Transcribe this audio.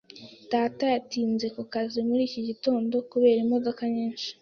Data yatinze ku kazi muri iki gitondo kubera imodoka nyinshi.